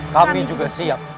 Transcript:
kami juga siap